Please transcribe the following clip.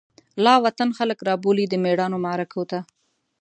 لاوطن خلک رابولی، دمیړانومعرکوته